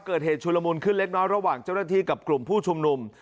ชุลมุนขึ้นเล็กน้อยระหว่างเจ้าหน้าที่กับกลุ่มผู้ชุมนุม